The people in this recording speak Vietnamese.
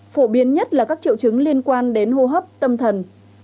phổ biến nhất là các triệu chứng liên quan đến hô hấp tâm thần